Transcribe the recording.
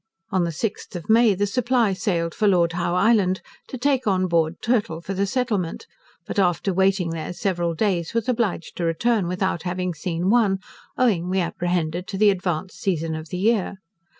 On the 6th of May the 'Supply' sailed for Lord Howe Island, to take on board turtle for the settlement; but after waiting there several days was obliged to return without having seen one, owing we apprehended to the advanced season of the year.